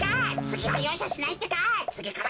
つぎはようしゃしないってか！